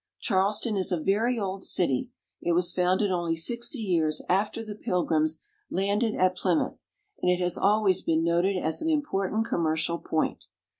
Charleston is a very old city ; it was founded only sixty years after the Pilgrims landed at Plymouth ; and it has always been noted as an important commercial point.